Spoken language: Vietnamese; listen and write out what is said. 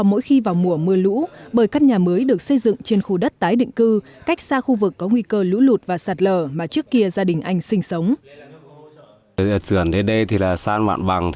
mỗi khi vào mùa mưa lũ bởi căn nhà mới được xây dựng trên khu đất tái định cư cách xa khu vực có nguy cơ lũ lụt và sạt lở mà trước kia gia đình anh sinh sống